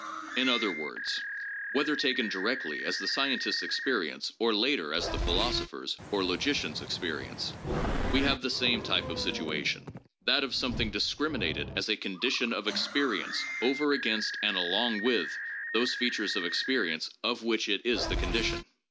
In other words, whether taken directly as the scientist's experience or later as the philosopher's (or logician's) experience, we have the same type of situation: that of something discriminated as a condi tion of experience over against and along with those features of experience of which it is the condition.